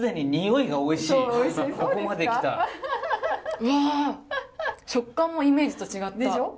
うわ食感もイメージと違った。